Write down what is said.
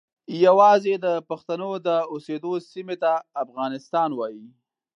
یوازې د پښتنو د اوسیدلو سیمې ته افغانستان وایي.